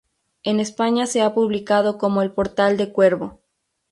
En España se ha publicado como "El portal de cuervo.